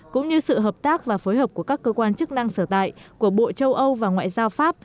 cũng như sự hợp tác và phối hợp của các cơ quan chức năng sở tại của bộ châu âu và ngoại giao pháp